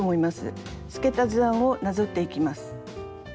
透けた図案をなぞっていきます。